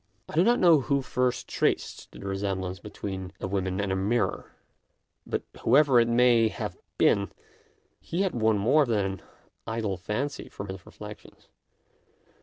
I do not know who first traced the resem blance between a woman and a mirror, but WHY WOMEN FAIL IN ART 129 whoever it may have been he had won more than an idle fancy from his reflections.